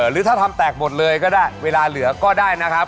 หรือถ้าทำแตกหมดเลยก็ได้เวลาเหลือก็ได้นะครับ